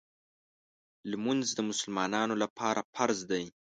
لمونځ د مسلمانانو لپاره فرض دی.